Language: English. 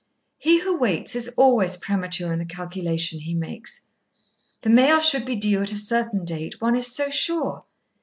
He who waits is always premature in the calculation he makes. The mail should be due at a certain date, one is so sure.